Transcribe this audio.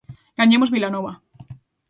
Gañemos Vilanova.